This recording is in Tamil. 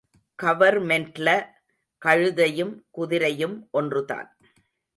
கவர்மென்ட்ல கழுதையும் குதிரையும் ஒன்றுதான்.